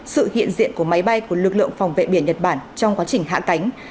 sự hiện diện của máy bay của lực lượng phòng vệ biển nhật bản trong quá trình hạ cánh